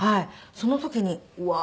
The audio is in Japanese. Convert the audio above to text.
その時にうわー